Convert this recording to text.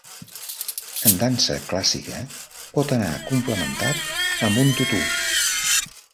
En dansa clàssica pot anar complementat amb un tutú.